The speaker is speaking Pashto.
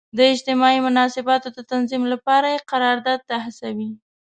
د اجتماعي مناسباتو د تنظیم لپاره یې قرارداد ته هڅوي.